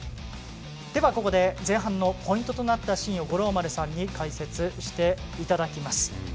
前半のポイントとなったシーン五郎丸さんに解説していただきます。